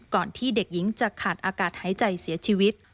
ที่เด็กหญิงจะขาดอากาศหายใจเสียชีวิต